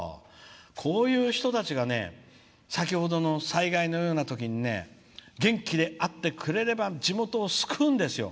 こういう人たちがね先ほどの災害のようなときに元気であってくれれば地元を救うんですよ。